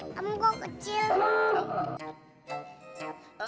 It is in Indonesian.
kamu kok kecil